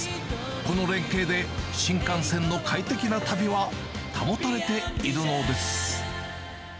この連携で新幹線の快適な旅は保たれているのです。